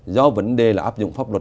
do vấn đề là áp dụng pháp luật